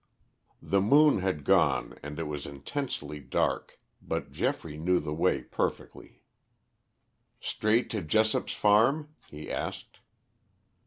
The moon had gone and it was intensely dark, but Geoffrey knew the way perfectly. "Straight to Jessop's farm?" he asked.